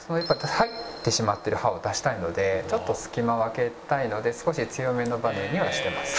入ってしまってる歯を出したいのでちょっと隙間を空けたいので少し強めのバネにはしてます。